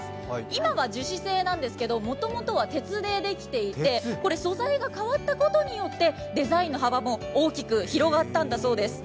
今は樹脂製なんですけどもともとは鉄でできていて素材が変わったことによってデザインの幅も大きく広がったんだそうです。